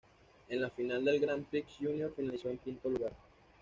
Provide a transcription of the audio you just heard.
En la final del Grand Prix Júnior finalizó en quinto lugar.